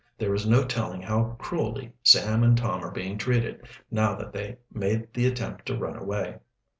"There is no telling how cruelly Sam and Tom are being treated, now that they made the attempt to run away."